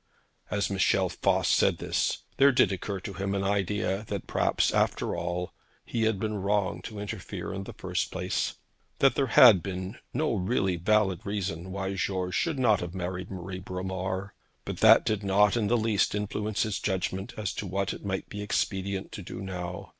As Michel Voss said this, there did occur to him an idea that perhaps, after all, he had been wrong to interfere in the first instance, that there had then been no really valid reason why George should not have married Marie Bromar; but that did not in the least influence his judgment as to what it might be expedient to do now.